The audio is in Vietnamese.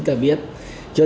đặc biệt như đời xấu xa